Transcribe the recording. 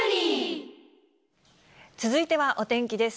続いてはお天気です。